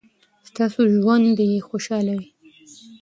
ستاسو ژوند دې خوشحاله وي.